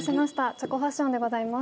チョコファッションでございます。